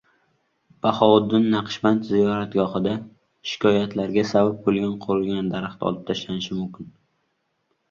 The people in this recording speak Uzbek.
Bahovuddin Naqshband ziyoratgohida shikoyatlarga sabab bo‘lgan qurigan daraxt olib tashlanishi mumkin